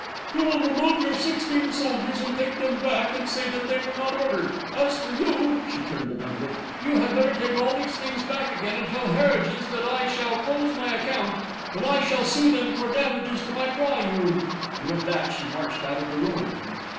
"You will remove your sixteen soldiers and take them back and say that they were not ordered. As for you," she turned to Bindle, "you had better take all these things back again and tell Harridge's that I shall close my account, and I shall sue them for damages to my drawing room"; and with that she marched out of the room.